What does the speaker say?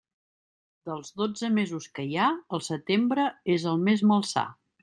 Dels dotze mesos que hi ha, el setembre és el més malsà.